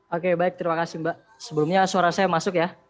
oke baik terima kasih mbak sebelumnya suara saya masuk ya